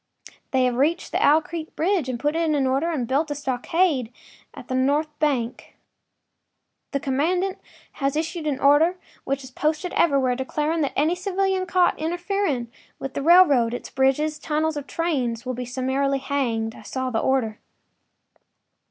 They have reached the Owl Creek bridge, put it in order and built a stockade on the north bank. The commandant has issued an order, which is posted everywhere, declaring that any civilian caught interfering with the railroad, its bridges, tunnels, or trains will be summarily hanged. I saw the order.